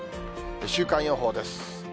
週間予報です。